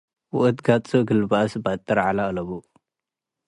ወእት ገጹ እግል በአስ በጥር ዐለ አለቡ።